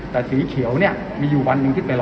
แต่สีเขียวมีอยู่วันมึงที่ไป๑๐๐